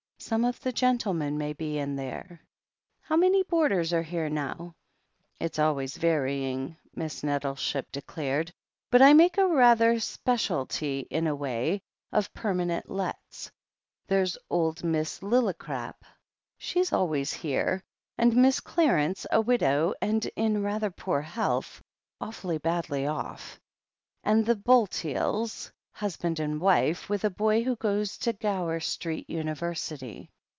"Some of the gentlemen may be in there." "How many boarders are here now ?*' "It's always varying," Miss Nettleship declared. "But I make rather a specialty, in a way, of permanent lets. There's old Miss Lillicrap — she's always here — and Mrs. Clarence, a widow, and in rather poor health — ^awfully badly off. And the Bulteels — ^husband and wife — with a boy who goes to Gower Street Univer sity.